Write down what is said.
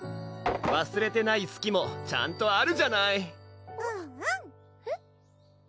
わすれてないすきもちゃんとあるじゃないうんうんえっ？